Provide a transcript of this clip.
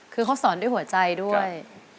คือเขาสอนด้วยหัวใจด้วย